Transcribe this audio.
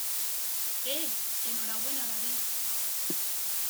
¡ eh! enhorabuena, David.